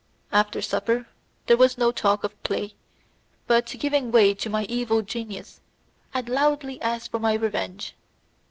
After supper there was no talk of play, but giving way to my evil genius I loudly asked for my revenge.